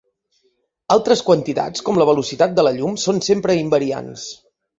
Altres quantitats, com la velocitat de la llum, són sempre invariants.